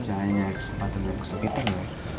jangan nyayang kesempatan yang kesepitan ya